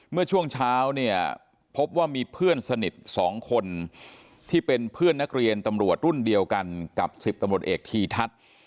เมื่อช่วงเช้าเนี่ยพบว่ามีเพื่อนสนิท๒คนที่เป็นเพื่อนนักเรียนตำรวจรุ่นเดียวกันกับ๑๐ตำรวจเอกทีทัศน์